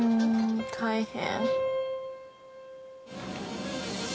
大変。